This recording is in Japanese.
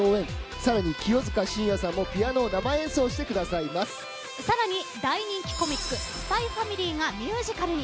さらに清塚信也さんもさらに大人気コミック「ＳＰＹ×ＦＡＭＩＬＹ」がミュージカルに。